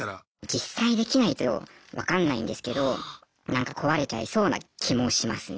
実際できないと分かんないんですけどなんか壊れちゃいそうな気もしますね。